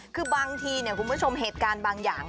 คือบางทีคุณผู้ชมเหตุการณ์บางอย่าง